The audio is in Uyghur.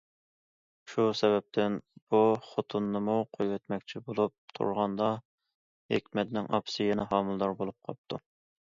شۇ سەۋەبتىن بۇ خوتۇنىنىمۇ قويۇۋەتمەكچى بولۇپ تۇرغاندا، ھېكمەتنىڭ ئاپىسى يەنە ھامىلىدار بولۇپ قاپتۇ.